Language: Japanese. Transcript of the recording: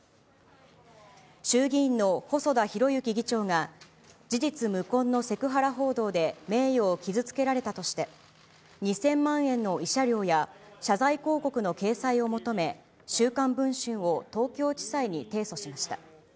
衆議院の細田博之議長が、事実無根のセクハラ報道で名誉を傷つけられたとして、２０００万円の慰謝料や、謝罪広告の掲載を求め、週刊文春を東京地裁に提訴しました。